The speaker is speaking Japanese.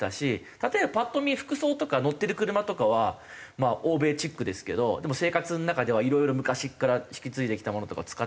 例えばパッと見服装とか乗ってる車とかは欧米チックですけどでも生活の中ではいろいろ昔から引き継いできたものとかを使ったりとか。